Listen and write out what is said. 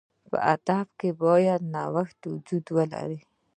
په ادب کښي باید نوښت وجود ولري.